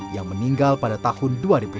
yang meninggal pada tahun dua ribu tujuh